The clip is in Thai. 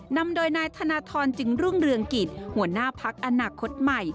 นำโดยนายธนทรจึงรุ่งเรืองกิจหัวหน้าพักอนาคตใหม่